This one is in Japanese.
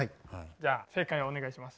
じゃあ正解お願いします。